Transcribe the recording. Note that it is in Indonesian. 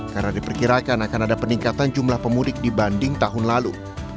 karena diperkirakan akan ada peningkatan jumlah pemudik dibanding tahun lalu